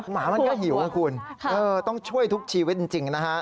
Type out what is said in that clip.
หมามันก็หิวนะคุณต้องช่วยทุกชีวิตจริงนะฮะ